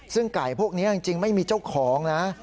ซึ่งไก่พวกนี้จริงไม่มีเจ้าของนะ